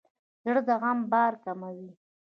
زړه د غم بار کموي.